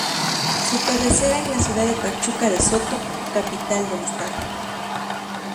Su cabecera es la ciudad de Pachuca de Soto, capital del estado.